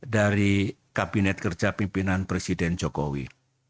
dari kabinet kerja pimpinan presiden jokowi